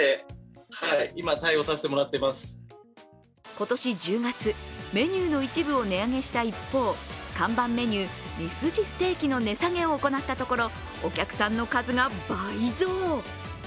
今年１０月、メニューの一部を値上げした一方看板メニュー、ミスジステーキの値下げを行ったところ、お客さんの数が倍増。